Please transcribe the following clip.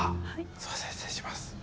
すいません失礼します。